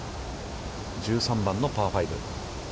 １３番のパー５。